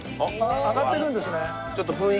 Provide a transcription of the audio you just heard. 上がっていくんですね。